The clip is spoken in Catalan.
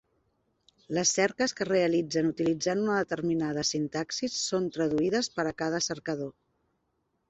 Les cerques que es realitzen utilitzant una determinada sintaxi són traduïdes per a cada cercador.